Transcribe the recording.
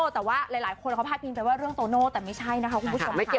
แต่ว่าหลายคนเขาพาดพิงไปว่าเรื่องโตโน่แต่ไม่ใช่นะคะคุณผู้ชม